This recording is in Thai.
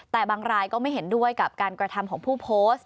แต่บางรายก็ไม่เห็นด้วยกับการกระทำของผู้โพสต์